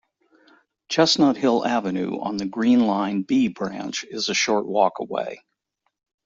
Chestnut Hill Avenue on the Green Line "B" Branch is a short walk away.